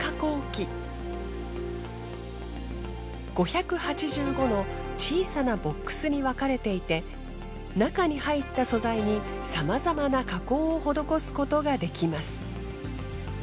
５８５の小さなボックスに分かれていて中に入った素材に様々な加工を施すことができます。